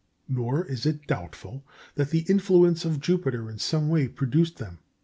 Nor is it doubtful that the influence of Jupiter in some way produced them. M.